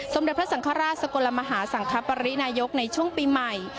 สมเด็จพระสังฆราชสกลมหาสังคปรินายกในช่วงปีใหม่